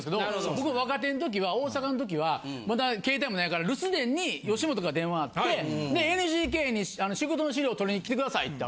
僕も若手の時は大阪の時はまだ携帯もないから留守電に吉本から電話あってＮＧＫに仕事の資料取りに来て下さいって。